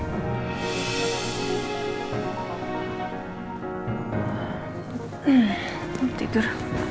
hmm mau tidur